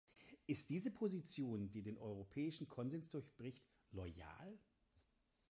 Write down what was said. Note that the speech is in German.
Ist diese Position, die den europäischen Konsens durchbricht, loyal?